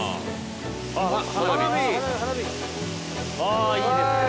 ああいいですね。